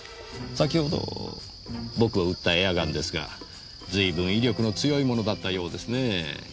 先ほど僕を撃ったエアガンですがずいぶん威力の強いものだったようですねぇ。